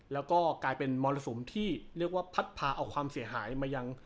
แล้วก็กลายเป็นมรสมที่พัดพาออกความเสียหายมาอย่าง